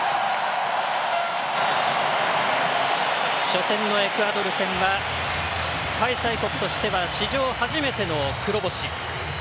初戦のエクアドル戦は開催国としては、史上初めての黒星。